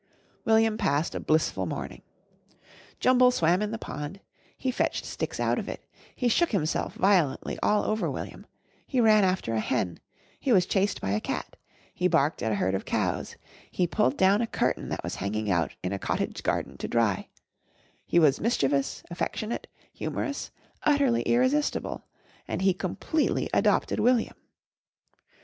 William passed a blissful morning. Jumble swam in the pond, he fetched sticks out of it, he shook himself violently all over William, he ran after a hen, he was chased by a cat, he barked at a herd of cows, he pulled down a curtain that was hanging out in a cottage garden to dry he was mischievous, affectionate, humorous, utterly irresistible and he completely adopted William.